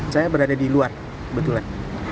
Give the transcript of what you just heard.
saya berada di luar kebetulan